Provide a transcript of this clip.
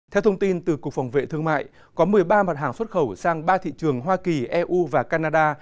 theo thông tin từ cục phòng vệ thương mại có một mươi ba mặt hàng xuất khẩu sang ba thị trường hoa kỳ eu và canada